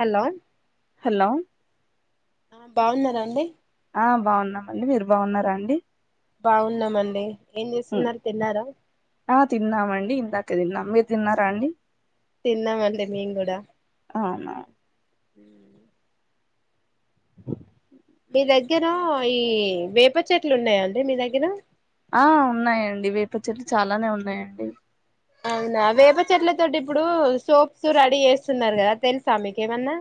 Hello hello ఆ బావున్నారా అండి ఆ బావున్నామండి మీరు బావున్నారా అండి బాగున్నామండి ఏం చేస్తున్నారు తిన్నారా మీర్ తిన్నారా అండి తిన్నామండి మేం గూడా అవునా హ అ మీ దగ్గరా ఈ వేప చెట్లు ఉన్నాయా అండి మీ దగ్గర ఆ ఉన్నాయండి వేప చెట్లు చాలానే ఉన్నాయండి అవునా వేప చెట్లతోటి ఇప్పుడు సోప్స్ రెడీ చేస్తున్నారు కదా తెలుసా మీకేమన్నా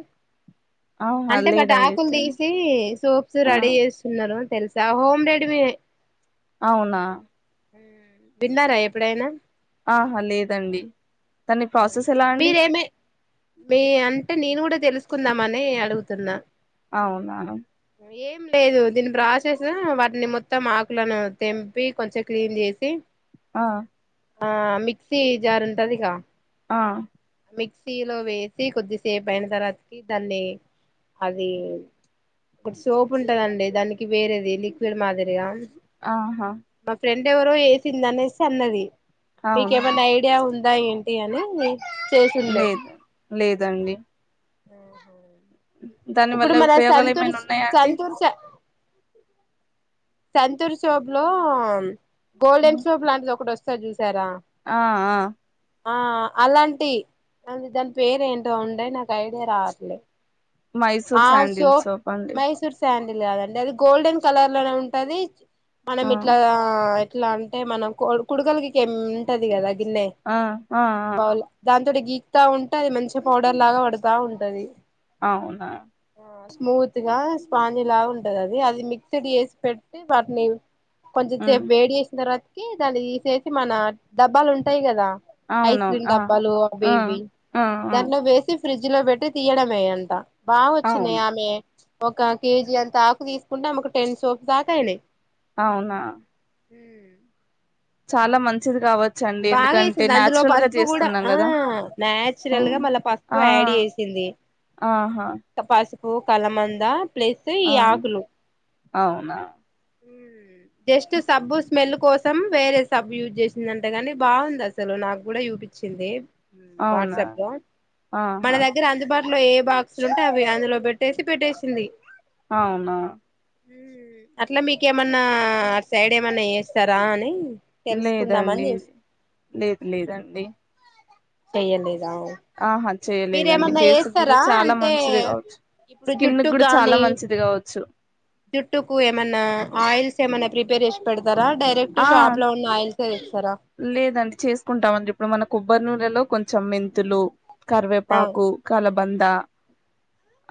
ఆహా అంటే వాటి లేదండి ఆకులు తిన్ తీసి సోప్స్ ఆ రెడీ చేస్తున్నారు తెలుసా హోమ్ రెడిమి అవునా విన్నారా ఎప్పుడైనా ఆహా లేదండి దాని ప్రాసెస్ ఎలా అండి మీరేమే మీ అంటే నేను కూడా తెలుసుకుందామని అడుగుతున్నా అవునా ఏం లేదు దీని ప్రాసెసు వాటిని మొత్తం ఆకులను తెంపి కొంచెం క్లీన్ చేసి ఆ ఆ మిక్సీ జార్ ఉంటదిగా ఆ మిక్సీలో వేసి కొద్దిసేపు అయిన తర్వాతకి దాన్ని అది ఇప్పుడు సోప్ ఉంటదండి దానికి వేరేది లిక్విడ్ మాదిరిగా ఆహా యవరో వేసింద అనేసి అన్నది అవునా మీకేమంది ఐడియా ఉంది దా ఏంటి అనే లేదు లేదండి హ దాని ఇప్పుడు వల్ల మన ఉపయోగాలు సంతూర్ ఏమైనా ఉన్నాయా అండి సంతూర్ స అ సంతూర్ సాబ్ లో గోల్డెన్ షాప్ లాంటిది ఒకటీ వస్తుంది సజస్ ఆ ఆ ఆ అలాంటి అ దాని పేరు ఏంటో ఉండే నాకు ఐడియా రావట్లేదు మైసూర్ శాండిల్ సోప్ అండి మైసూర్ శాండిల్ కాదండి అది గోల్డన్ కలర్ లోనే ఉ తది మనం ఆ ఇట్లాగా ఇట్లా అంటే మనం కొడుకలకి ఎంటది కదా ఆ ఆ ఆ బ దా ఇట్టా గీకుతా ఉంటే అది మంచి పడర్ లాగా పడుతా ఉంటాది అవునా స్మూత్ గా స్పాంజ లాగా ఉంటది అది అది మిక్స్డ్ చేసి పెట్ పట్ నీ కొంచెం సేపు ఉమ్ వేడి వేసిన తర్వాత దాన్ని తీసేసి మన డబ్బాలు ఉంటాయి కదా ఐస్ అవునవును క్రీమ్ ఆ డబ్బాలు ఆ బేబీ ఆ ఆ దాన్నో వేసి ఫ్రిడ్జ్ లో పెట్టి తీయడమేంట బా వచ్చినయి అవును ఆమె ఒక కేజీ అంతా ఆకు తీసు ఉంటామ్ ఒక టెన్ సోప్స్ అంతేలే అవునా హమ్ చాలా మంచిది కావచ్చు బాగా వేసింది అందులో పసుపు కూడా ఆ కదా ఆ నాయాచురల్ గా మళ్ళా పసుపు యాడ్ చేసింది ఆ తపాస్ ఓ కలమందా ప్రతి ఈ ఆ ఆకులు అవునా జస్ట్ సబ్బు స్మెల్ కోసం వేరే సబ్బు యూజ్ చేసిందంట గని బాగుంది అసలు నాకు గుడా చూపించింది. అవునా వాట్సాప్లో మన ఆహా దగ్గర అందుబాట్ ఏ బా అసలుంటావి అందులో పెట్టేసి పెట్టేసింది. అవునా అట్ల మీకేమన్నా అటు సైడ్ ఏమన్నా చేస్తారా అని తెలుసుకుందామని లేదండి చేస్ లేదు లేదండి. చేయలేదు. ఆహా చేయలేదండి ఫేస్ గుడా చేస్తారా చాలా అంటే మం ఇప్పుడు జుట్టుక్ గానీ మంచిది కావచ్చు జుట్టుకు ఏమైన్నా ఏమన్న ప్రిపేర్ చేసి పెడ్ ఆ తెస్తారా లేదండి చేసుకుంటామండి ఇప్పుడు మనకు బర్ నూనెలో కొం చం మెంతులు, ఆ కరివేపాకు, కల బంద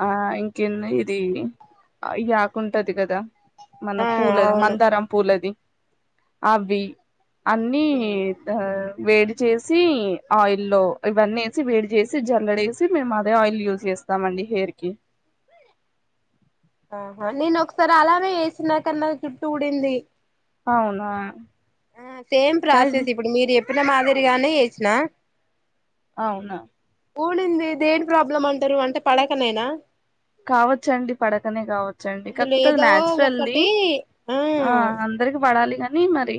ఆ ఇంకేన్న ఇది ఇ ఆకుంటది కదా మన ఆ పూలది అవును మందారం పూలది. అవి అన్నీ వేడి చేసి ఆయిల్లో ఇవన్నీ ఏసి వేడి చేసి జల్లడేసి మేము అదే ఆయిల్ యూజ్ చేస్తామండి హెయిర్ కి ఆహా నేను ఒకసారి అలానే చేసినా కని నా జుట్టూ ఊడింది. అవునా ఆ సేమ్ కానీ ప్రాసెస్ ఇప్పుడు మీరు చెప్పిన మాదిరి గానే చేసినా అవునా ఊడింది దేని ప్రాబ్లమ్ అంటరు అంటే పడకనేనా కావచ్చండి పడకనే కావచ్చండి అందులో కాకపోతే అది ఏదో నాచురల్ది ఒకటి ఆ అందరికి పడాలి కాని నీ మరీ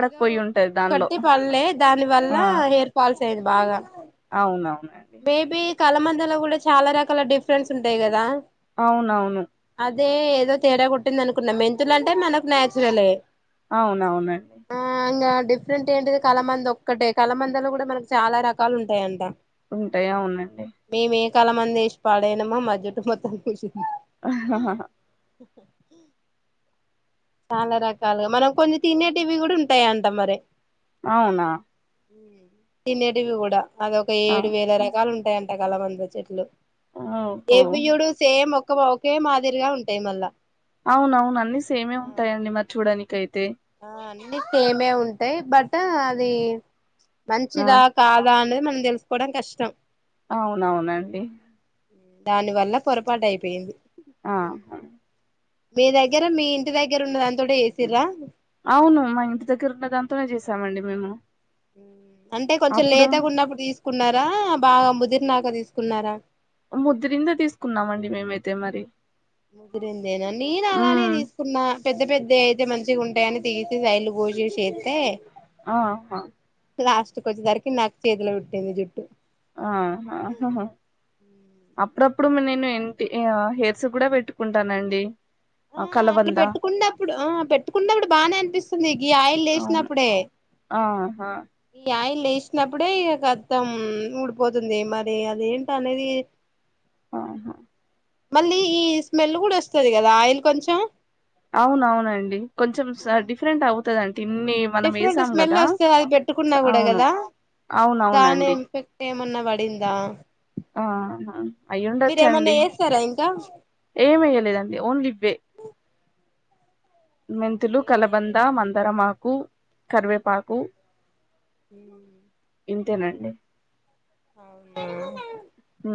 ఏదో ఒకట్టి పడ్లే దాని వల్ల హెయిర్ ఫాల్స్ [inaudible] బాగా అవునవును. బేబి కళ మందలో గుడా చాలా రకాల డిఫరెన్స్ ఉంటాయి కదా? అవునవును. అదే ఏదో తేడా కొట్టింది అనుకున్న మెంతులు అంటే మనకు నచురలే అవునవును అండి డిఫరెంట్ ఏంటిది కలామంది ఒక్కటే కలామందలో కూడా మనకు చాలా రకాలు ఉంటాయంట ఉంటాయా ఉన్నట్టే క్కల మందు ఏషి పాడైనామా మా జుట్టు మొత్తం [unintelligible] చాలా రకాలుగా మనం కొన్ని తినేటివి కూడా ఉంటాయంట మరి అవునా మ్మ్ తినేటివి కూడా అది ఒక ఆ ఏడు వేల రకాలు ఉంటాయన్ ఎండాకాలం అందు చెట్లు ఓహో ఎవ్యూడు సేమ్ మో కో ఓ ఒకే మాదిరిగా ఉంటాయి మళ్ళా అవున అవును అన్ని సేమే ఉంటాయి అండి మరి చూడనికైతే ఆ అన్ న్ని సెమే ఉంటాయి బట్ అది ఆ మంచిదా కాద అని మనం తెలుసుకోవడం కష్టం అవునవునండి దాని వల్ల పొరపాటు అయిపోయింది ఆహా మీ దగ్గర మీ ఇంటి దగ్గర ఉన్న దానితోటె చేసిర్రా అవును మా ఇంటి దగ్గర ఉన్న దాంతోనే చేసామండి మేము ఊ అంటే కొంచెం అప్పుడు లేతగున్నప్పుడు తీస్ కున్నారా బాగా ముదిరినాక తీసుకున్నారా ముద్దిరిందే తీసుకున్నాం అండి మేమైతే మరి ముదిరిందేనా నేనూ అలానే ఉమ్ తీసుకున్నా పెద్ద పెద్దవి అయితే మంచిగా ఉంటాయని తీసి సైడ్ లు కోసేసి ఏత్తే ఆ అ లాస్ట్ కు వచ్చేసరికి నాకు చేతిలో పుట్టింది జుట్టు ఆహా అప్పుడప్పుడు నేను ఎంటి హెయిర్స్ కు కూడా పెట్టుకుంటానండి ఆ అట్లా పెట్టుకున్నప్పుడు ఆ పెట్టుకున్నప్పుడు బానే అనిపిస్తుంది గీ ఆయిల్ లో అవును ఏసినప్పుడే ఆహా ఈ ఆయిల్ లై చేసినప్పుడే ఇగ కత్తం ఊడిపోతుంది మరి అది ఏంటి అనేది ఆహా మళ్ళీ ఈ స్మెల్ కూడా వస్తది కదా ఆయిల్ కొంచెం అవునవునండి కొంచెం స డిఫరెంట్ ఔ తదన్ డిఫరెంట్ స్మెల్ వస్తది అది పెట్టుకున్నా కూడా అవును కదా దాని అవునవునండి ఇంఫెక్ట్ ఏమన్నా వడి అడందా ఆ అయి్య ఉండచ్చండి చేస్తారా ఇంకా ఏమియలేదండి ఓన్లీ వే మెంంతలు ఏమి కలబంద చేయలేదు మందార మా కు కరివేపాకు హమ్ ఇంతేనండి అవునా ఆ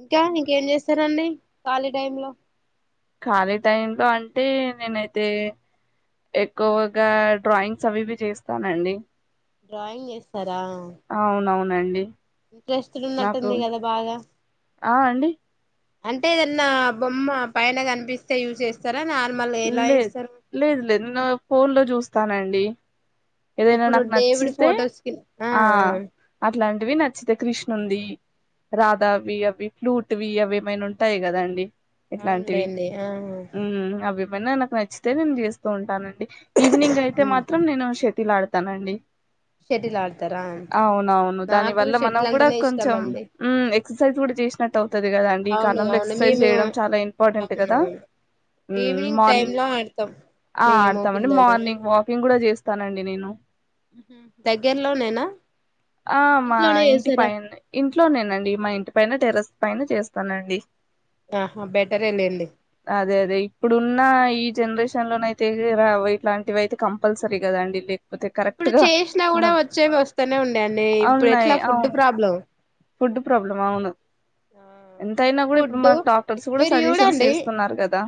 ఇంకా ఇంకేం చేస్తారంండి ఖాళీ టై లో ఖాళీ టై లో అంటే నేనైతే ఎక్కువగా డ్రాయింగ్స్ అవివి చేస్తానండి డ్రాయింగ్ వస్తారు దా అవునండి ఇంటరెస్టింగ్ ఉన్నట్టుందిగా కదా బాగా ఆ అండి అంటే ఏదన్నా బొమ్మ పైన కనిపిస్తే యూస్ చేస్తారు లేదు లేదు లేదు నేను ఫోన్ లో చూస్తానండి అ ఏదైనా ఇప్పుడు నాకు దేవుడి నచ్చితే ఫొటోస్ కి ఆ అట్లాంటివి నచ్చితే కృష్ ఉంది రాధావి అవి ఫ్లూట్వి అవి ఏమైనా ఉంటాయి గదండి ఆ ఎట్లాంటివి అవునులేండి ఆ మ్మ్ అవి వేన నాకు నచ్చితే నేను జేస్తూ ఉంటానం ఈవినింగ్ అయితే ఉహు మాత్రం నేను షె తిలాడుతానండి షటిల్ ఆడతారా అవును అవును దాని నాకు వల్ల మనం షటిల్ కూడా అంటేనే ఇష్టం కొంచం అండి మ్మ్ ఎక్సర్సైజ్ కూడా చేసినట్టు అవుతది కదా అండి. ఈ అవును కాలంలో అవును ఎక్సర్సైజ్ మేము చేయడం చాలా ఇంపార్టెంట్ కదా, అవునవును మ్మ్ మ్మ్ ఈవినింగ్ మార్నింగ్ టైమ్ లో ఆడతాం ఆ మేము ఆడతామండి పిల్లలు మార్నింగ్ వాకింగ్ కూడా జేస్ తనన్ ఎ నేను దగ్గర్లోనే నా ఆ మా ఇంటి పైనే ఇంట్లోనేేనండి మా ఇంటి పైన టెర్రస్ పైన చేస్తానండి ఆహా బెటరే లేండి అదే అదే ఇప్పుడున్న ఈ జనరేషన్ లోన అయితే రావు ఇట్లాంటివి అయితే కంపల్సరీ గదండి లే ఇప్పుడు చేసినా కూడా వచ్చేవీ వస్తానే ఉండె నే ఇప్పుడు అవున్నాయి ఎట్లా ఫుడ్ అవును ప్రాబ్లం ఫుడ్ ప్రాబ్లం అవును ఎంతయినా గూడ ఇప్పుడు ఫుడ్డు మనకు డాక్టర్స్ కూడా మీరు సజెషన్స్ చూడండి చేస్తున్నారు గదా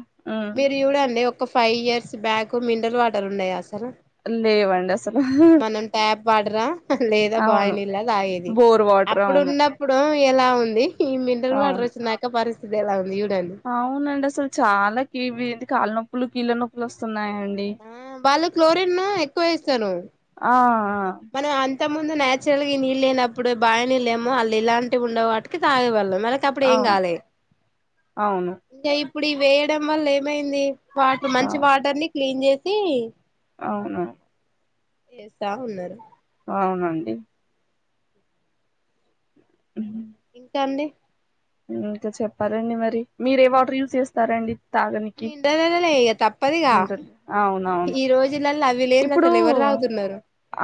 మీరు యూడండి అండి ఒక ఫైవ్ ఇయర్స్ బ్యాక్ మిండర్ వాట్ డరు ఉన్నయా అస్ లేవండి అసలు మనం ట్యాప్ వాడరా లేదా బాయి అవును నీల్లా దాగేది బోర్ వాటర్ అప్పుడు అవును ఉన్నప్పుడు ఎలా ఉంది ఈ మినరల్ వాటర్ అవును వచ్చినాక పరి సిదెలా వుంది యూడ్ అవునండి అసలు చాలా ఇవేంది కాళ్ నొప్పులు కీళ్ళ నొప్పులు వస్తున్నాయ్ ఆ వాళ్ళు క్లోరిన్ ఎక్కువ వేస్తాను ఆ మన అం తముందు నేచురల్గా ఈ నీళ్ళు లేనప్పుడు బాయి నీళ్ళేమో అళ్ళిల్లాంటి ఉండే వాటికి తాగి వెళ్ళం మనకి అప్పుడు ఆ ఏం అవును కాలే అవును ఇంగ ఇప్ ఇప్పుడి వేయడం వల్ల ఏమైంది వాటర్ ఆ మంచి వాటర్ని క్లీన్ జేసి అవును ఏసావున్నరు అవునండి ఇంకా అండి ఇంకా చెప్పాలండి మరి మీరు ఏ వాటర్ యూజ్ చేస్తారండి తాగనికి మినరలే ఇక తప్పదిగా అవును అవును ఈ రోజులలో అవి లేనిది ఇప్పుడు అసలు ఎవరు తాగుతున్నారు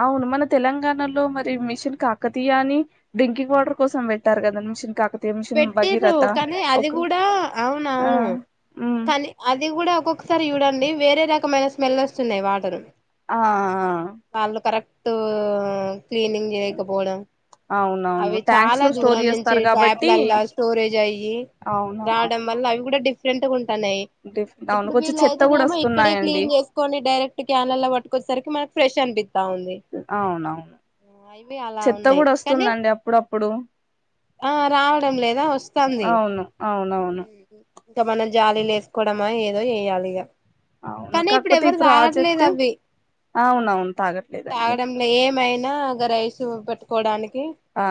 అవును మన తెలంగాణలో మరి మిషన్ కా క తీ అని డ్రింకింగ్ వాటర్ కోసం పెట్టారు కదా మిషన్ కాక తె మిషను టిర్రు కానీ అది కూడా అవును ఆ అవును ఉమ్ కానీ అది కూడా ఒక్కొక్కసారి చూడండి వేరే రకమైన స్మెల్ వస్తున్నాయ్ వాటరు ఆ టు క్లీనింగ్ జేయకపోవడం అవునవును అవి ట్యాంక్స్ చాలా లో స్టోర్ దూరం నుంచి చేస్తారు ట్యాప్ కాబట్టి స్టోరేజ్ అయ్యి అవునవును రావడం వల్ల అవి గూడ డిఫెరెంట్ ఉం టనయ్ డిఫరెంట్ అవును ఇప్పుడు కొంచెం చెత్త కూడా వీళ్ళయితేనేమో ఇక్కడే వస్తున్నాయండి క్లీన్ చేసుకొని డైరెక్ట్ క్యాన్లల్లో వట్టుకొచ్చేసరికి మనకు ఫ్రెష్ చెంబి అవును అవును ఇవి అలా చెత్త ఉన్నాయి కూడా కానీ వస్తుందండి అప్పుడప్పుడు ఆ రావడం లేదా వస్తాంది అవును అవునవును ఇంకా మనం జాలీలు వేసుకోవడమా ఏదో చేయ్యాలి ఇగ అవును కాకపోతే ఈ ప్రాజెక్ట్ అవి అవునవును తాగట్లేదండి ఇగ గా రైస్ పెట్టుకోవడాని కి ఆ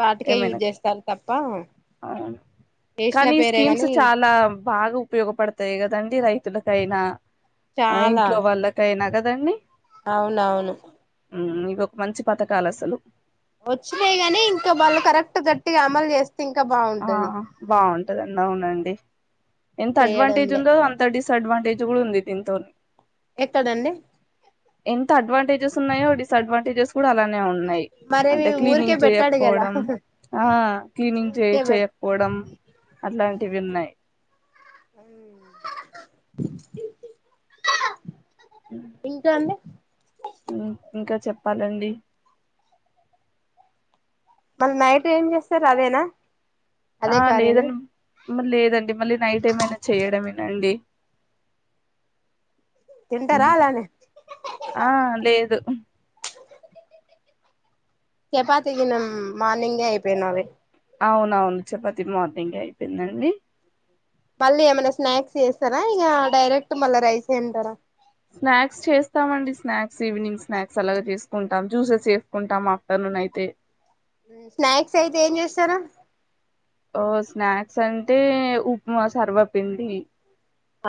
వాటికే యూజ్ చేస్తా పా అ కానీ ఈ స్కీమ్స్ గాని చాలా బాగా ఉపయోగపడతాయి కదండి రై తులకైనా ఆ చాలా ఇంట్లో వాళ్ళకైనా దండి అవునవును ఉ ఇవి ఒక మంచి పథకాలు అసలు వచ్చినాయి గని ఇంకా వాళ్ళు కరెక్ట్ గట్టిగా అమలు చేస్తే ఇంకా ఆ బాగుంటది బాగుంటది అవునండి ఎంత అడ్వాంటేజ్ చేయడంలే ఉందో అంత డిస్ డిస్ అడ్వాంటేజ్ కూడ ఉంది దింతోని ఎక్కడండి ఎంత అడ్వాంటేజెస్ ఉన్నాయో డిస్ అడ్వాంటేజెస్ కూడా అలానే ఉ న్నాయి మరేవి అంటే క్లీనింగ్ ఊరికే పెట్టాడు కదా చేయకపోవడం ఆ క్లీనింగ్ చే ఊరికే పెట్ చేయకపోవడం అట్లాంటివి ఉన్నాయి ఉ ఇంకా అండి ఇంకా చెప్పాలండి మళ్ళ నైట్ ఏం చేస్తారు అదేనా ఆ అదే కర్రీనా లేదండి మా లేదండి మళ్ళీ నైట్ ఏమైనా చేయడమేనాండి తింటారా అలానే ఆ లేదు చపాతికి నం మార్నింగే అయిపోయినవి అవునవును చపాతి మార్నింగ్ అయిపోయిందండి మళ్ళీ ఏమైనా స్నాక్స్ చేస్తారా ఇక డైరెక్ట్ మళ్ళా రైస్ తింటారా స్నాక్స్ చేస్తామండి స్నాక్స్ ఈవినింగ్ స్నాక్స్ అలాగ చేసుకుంటాం జ్యూసెస్ చేసుకుంటాం ఆఫ్టర్నూన్ అయితే ఉ స్నాక్స్ అయితే ఏం చేస్తారు ఓ స్నాక్స్ అంటే ఉప్మా సర్వపిండి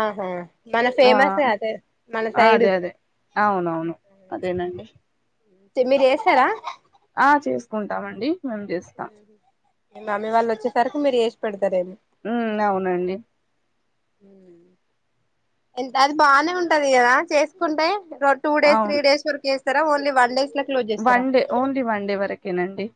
ఆహా మన ఆ ఫేమస్ అదే మన సైడ్ అదే అదే అవునవును అదేనండి తి మీరు చేస్తారా ఆ చేసుకుంటామండి మేము చేస్తాం మీ మమ్మీ వాళ్ళు వచ్చేసరికి మీరు చేసి పెడతారేమో ఉ అవునండి ఉ ఎంత అది బానే ఉంటది కదా చేసుకుంటే అ టూ డేస్ త్రీ డేస్ వరకేస్ స్తర ఓన్లీ వన్ డే కే వన్డే ఓన్లీ వన్ డే వరకేనండి